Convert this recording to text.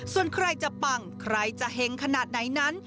ส่วนใครจะปังใครจะเห็งขนาดไหนนั้น